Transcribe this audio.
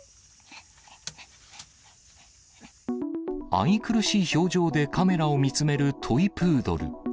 愛くるしい表情でカメラを見つめるトイプードル。